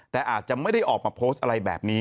แต่อาจจะไม่ได้ออกมาโพสต์อะไรแบบนี้